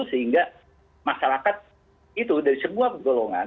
sehingga masyarakat itu dari semua golongan